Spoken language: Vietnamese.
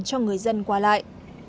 cho người dân qua lại